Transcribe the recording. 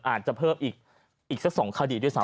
อาจจะเพิ่มอีกสัก๒คดีด้วยซ้